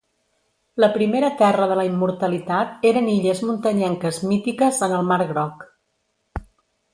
La primera terra de la immortalitat eren illes muntanyenques mítiques en el Mar Groc.